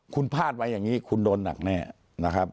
คุณพลาดไว้อย่างนี้คุณโดนหนักแน่นะครับ